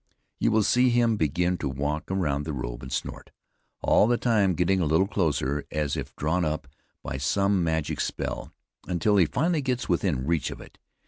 You will see him begin to walk around the robe and snort, all the time getting a little closer, as if drawn up by some magic spell, until he finally gets within reach of it.